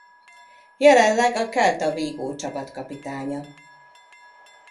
Jelenleg a Celta Vigo csapatkapitánya.